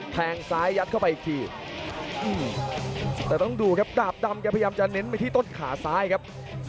แทงซ้ายยัดเข้าไปอีกทีแต่ต้องดูครับดาบดำแกพยายามจะเน้นไปที่ต้นขาซ้ายครับ